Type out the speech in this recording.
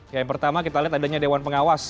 yang pertama kita lihat adanya dewan pengawas